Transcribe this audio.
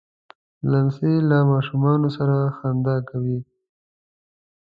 لمسی له ماشومانو سره خندا کوي.